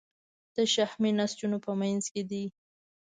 د شحمي نسجونو په منځ کې دي.